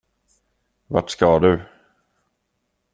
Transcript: Vart ska du?